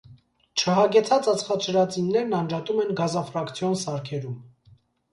Չհագեցած ածխաջրածիններն անջատում են գազաֆրակցիոն սարքերում։